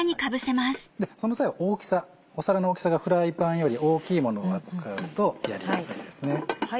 その際大きさ皿の大きさがフライパンより大きいものを扱うとやりやすいですね。